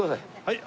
はい。